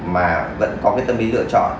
mà vẫn có cái tâm lý lựa chọn